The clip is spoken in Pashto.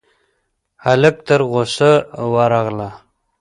هلک ته غوسه ورغله: